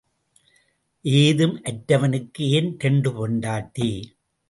ஏதும் அற்றவனுக்கு ஏன் இரண்டு பெண்டாட்டி?